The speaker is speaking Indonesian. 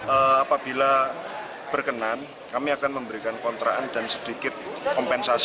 apabila berkenan kami akan memberikan kontraan dan sedikit kompensasi